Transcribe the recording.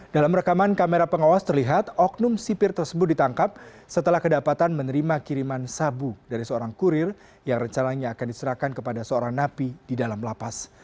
dalam rekaman kamera pengawas terlihat oknum sipir tersebut ditangkap setelah kedapatan menerima kiriman sabu dari seorang kurir yang rencananya akan diserahkan kepada seorang napi di dalam lapas